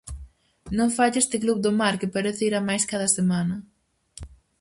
Non falla este Club do Mar que parece ir a máis cada semana.